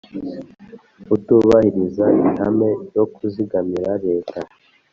Utubahiriza ihame ryo kuzigamira leta